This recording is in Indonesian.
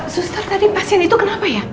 suster tadi pasien itu kenapa ya